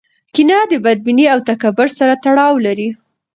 کینه د بدبینۍ او تکبر سره تړاو لري.